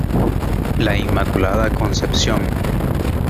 La Inmaculada Concepción.